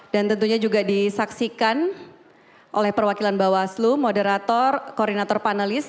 dan tentunya juga disaksikan oleh perwakilan bawaslu moderator koordinator panelis